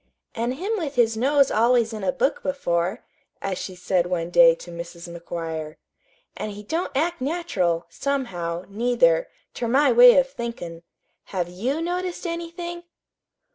"An' him with his nose always in a book before," as she said one day to Mrs. McGuire. "An' he don't act natural, somehow, neither, ter my way of thinkin'. Have YOU noticed anything?"